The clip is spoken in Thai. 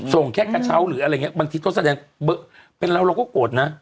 แค่กระเช้าหรืออะไรอย่างนี้บางทีก็แสดงเป็นเราเราก็โกรธนะ